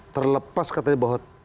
terlepas katanya bahwa